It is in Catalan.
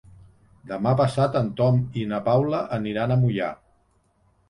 Demà passat en Tom i na Paula aniran a Moià.